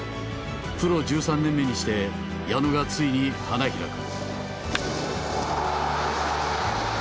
プロ１３年目にして矢野がついに花開く。